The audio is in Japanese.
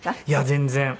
いや全然。